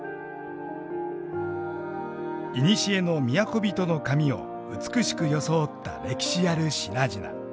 いにしえの都人の髪を美しく装った歴史ある品々。